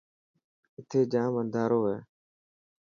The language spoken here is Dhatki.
اٿي جام انڌارو هي.